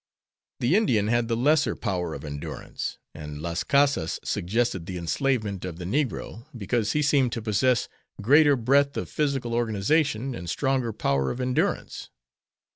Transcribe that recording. The Indian had the lesser power of endurance, and Las Cassas suggested the enslavement of the negro, because he seemed to possess greater breadth of physical organization and stronger power of endurance.